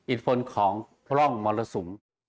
อิทธิพลของร่องมรสุม